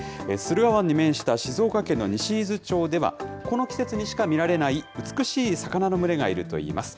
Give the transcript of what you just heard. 駿河湾に面した静岡県の西伊豆町では、この季節にしか見られない、美しい魚の群れがいるといいます。